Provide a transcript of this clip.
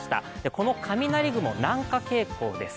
この雷雲、南下傾向です。